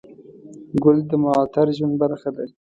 ګل د معطر ژوند برخه ده.